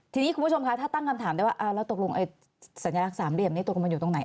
ทีนี้คุณผู้ชมคะถ้าตั้งคำถามได้ว่าแล้วตกลงสัญลักษณ์สามเหลี่ยมนี้ตกลงมันอยู่ตรงไหน